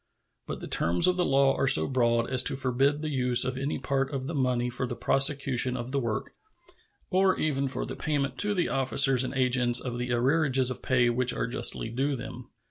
But the terms of the law are so broad as to forbid the use of any part of the money for the prosecution of the work, or even for the payment to the officers and agents of the arrearages of pay which are justly due to them.